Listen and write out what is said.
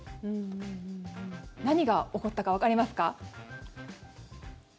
何が起こったかわかりますか？